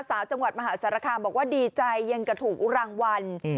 สาวจังหวัดมหาศาลคาบอกว่าดีใจยังกระถูรางวัล